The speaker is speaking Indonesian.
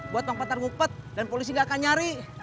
buat bang patar ngupet dan polisi nggak akan nyari